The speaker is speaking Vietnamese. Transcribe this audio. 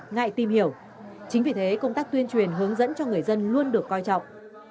ngại tìm hiểu chính vì thế công tác tuyên truyền hướng dẫn cho người dân luôn được coi trọng